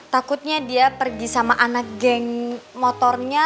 takutnya dia pergi sama anak geng motornya